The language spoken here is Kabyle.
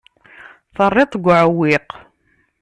Terriḍ-t deg uɛewwiq.